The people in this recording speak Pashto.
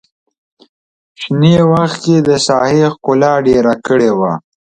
شنې وښکې د ساحې ښکلا ډېره کړې وه.